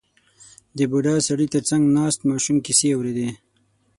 • د بوډا سړي تر څنګ ناست ماشوم کیسې اورېدې.